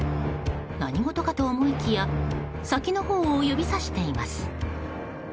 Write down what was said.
何事かと思いきや先のほうを指さしています。